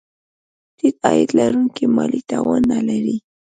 ټیټ عاید لرونکي مالي توان نه لري.